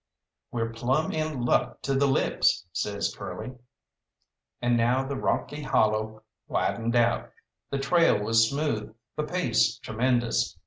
"We're plumb in luck to the lips," says Curly. And now the rocky hollow widened out, the trail was smooth, the pace tremendous.